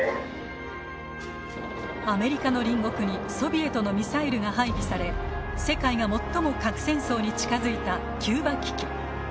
アメリカの隣国にソビエトのミサイルが配備され世界が最も核戦争に近づいたキューバ危機。